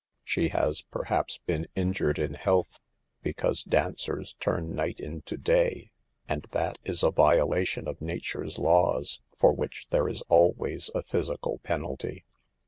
She has, perhaps, been injured in health, because dan cers turn night into day, and that is a violation of nature's laws for which there is always a physical penalty.